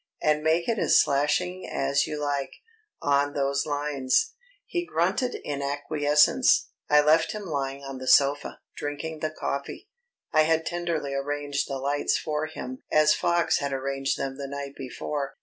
And make it as slashing as you like on those lines." He grunted in acquiescence. I left him lying on the sofa, drinking the coffee. I had tenderly arranged the lights for him as Fox had arranged them the night before.